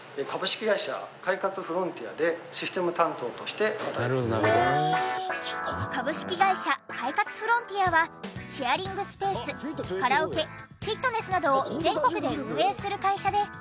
株式会社快活フロンティアはシェアリングスペースカラオケフィットネスなどを全国で運営する会社で。